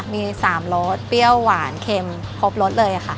มี๓รสเปรี้ยวหวานเค็มครบรสเลยค่ะ